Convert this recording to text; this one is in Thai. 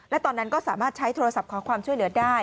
และตอนนั้นก็สามารถใช้โทรศัพท์ขอความช่วยเหลือได้